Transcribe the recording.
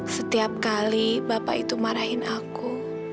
setiap kali bapak itu marahin aku